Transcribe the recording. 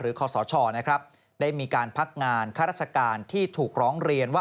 หรือคศได้มีการพักงานข้ารักษการที่ถูกร้องเรียนว่า